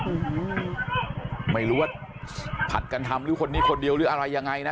อืมไม่รู้ว่าผัดกันทำหรือคนนี้คนเดียวหรืออะไรยังไงนะ